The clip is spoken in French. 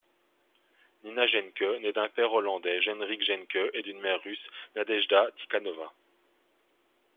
Nina Genke naît d'un père hollandais, Genrikh Genke, et d'une mère russe, Nadejda Tikhanova.